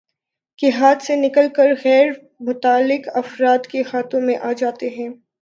کے ہاتھ سے نکل کر غیر متعلق افراد کے ہاتھوں میں آجاتے ہیں